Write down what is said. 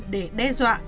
để đe dọa